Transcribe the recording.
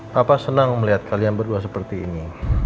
bapak senang melihat kalian berdua seperti ini